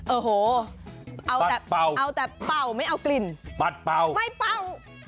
โอ้โหเอาแต่เป่าเอาแต่เป่าไม่เอากลิ่นปัดเป่าไม่เป่า